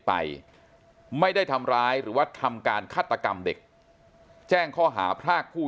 ไปไม่ได้ทำร้ายหรือว่าทำการฆาตกรรมเด็กแจ้งข้อหาพรากผู้